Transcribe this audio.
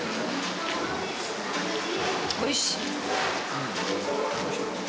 おいしい。